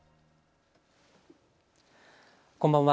こんばんは。